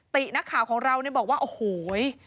ตินักข่าวของเราเนี่ยบอกว่าโอ้โห